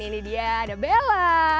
ini dia ada bella